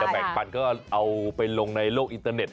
พี่ก็เอาในโลกอินเทอร์เนต